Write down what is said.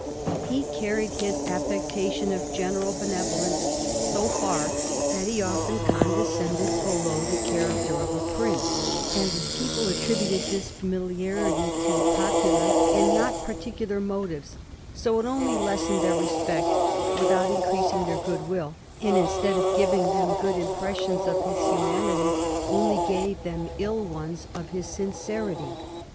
^' He carried this affectation of general benevolence so far that he often condescended below the character of a prince; and, as people attributed tliis familiarity to popu lar and not particular motives, so it only lessened their respect without increasing their good will, and, instead of giving them good impressions of his humanity, only gave them ill ones of his sincerity.